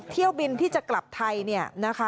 เที่ยวบินที่จะกลับไทย